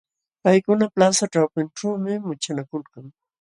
Paykuna plaza ćhawpinćhuumi muchanakuykan.